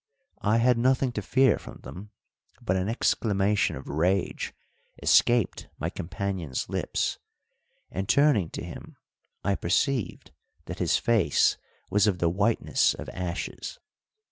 I had nothing to fear from them, but an exclamation of rage escaped my companion's lips, and, turning to him, I perceived that his face was of the whiteness of ashes.